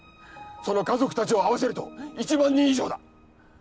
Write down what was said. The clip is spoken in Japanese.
その家族たちを合わせると１万人以上だ。